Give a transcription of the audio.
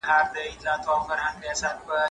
زه کتاب نه ليکم!؟!؟